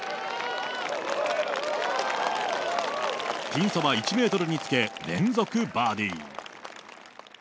ピンそば１メートルにつけ、連続バーディー。